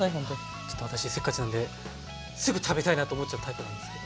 ちょっと私せっかちなんですぐ食べたいなと思っちゃうタイプなんですけど。